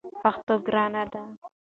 پښتو ګرانه ده!